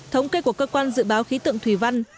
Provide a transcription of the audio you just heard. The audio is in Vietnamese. thống kê của cơ quan dự báo khí tượng thủy văn